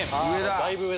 だいぶ上だ。